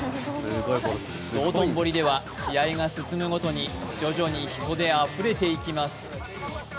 道頓堀では試合が進むごとに徐々に人であふれていきます。